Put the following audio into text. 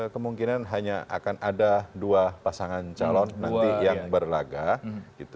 kemungkinan hanya akan ada dua pasangan calon nanti yang berlagak gitu